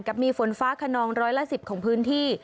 มีฝนฟ้าขนองร้อยละ๑๐ของพื้นที่